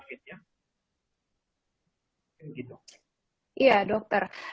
nah tentunya disini juga banyak sekali bapak dan juga ibu